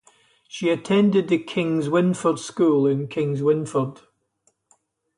She attended The Kingswinford School in Kingswinford.